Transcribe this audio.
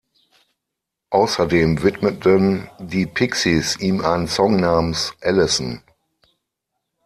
Außerdem widmeten die Pixies ihm einen Song namens "Allison.